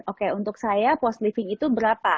oke untuk saya post living itu berapa